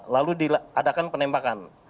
lalu diadakan penembakan